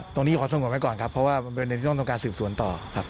ตรงนี้ขอสงบไว้ก่อนครับเพราะว่าประเด็นที่ต้องทำการสืบสวนต่อครับ